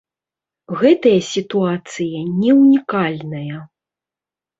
Гэтая сітуацыя не ўнікальная.